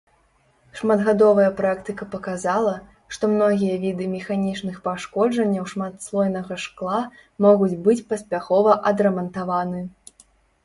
Шматгадовая практыка паказала, што многія віды механічных пашкоджанняў шматслойнага шкла могуць быць паспяхова адрамантаваны.